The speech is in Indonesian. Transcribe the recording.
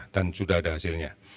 dan sudah ada hasilnya